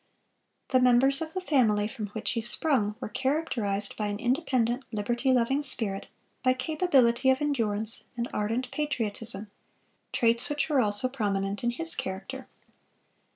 The members of the family from which he sprung were characterized by an independent, liberty loving spirit, by capability of endurance, and ardent patriotism,—traits which were also prominent in his character.